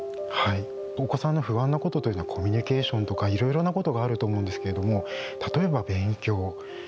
お子さんの不安なことというのはコミュニケーションとかいろいろなことがあると思うんですけれども例えば勉強。